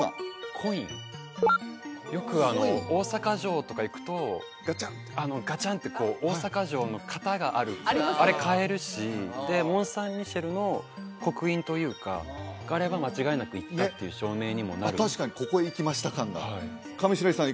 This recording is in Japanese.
コインよく大阪城とか行くとガチャンってこう大阪城の型があるあれ買えるしでモン・サン・ミシェルの刻印というかがあれば間違いなく行ったっていう証明にもなる確かにここへ行きました感がはい上白石さん